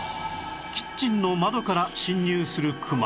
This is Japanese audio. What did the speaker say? キッチンの窓から侵入するクマ